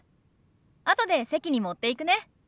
あとで席に持っていくね。